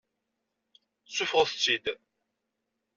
Seffɣet-tt-id.